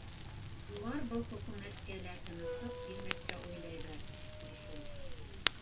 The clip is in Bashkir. Улар был хөкүмәткә лә тыныслыҡ бирмәҫкә уйлайҙар, ти, шул.